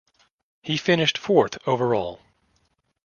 He finished fourth overall.